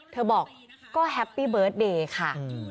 เธอบอกก็แฮปปี้เบิร์ตเดย์ค่ะ